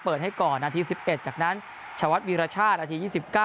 เปิดให้ก่อนนาที๑๑จากนั้นชวัดวีรชาตินาที๒๙